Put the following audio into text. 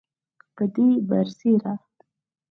پدې برسیره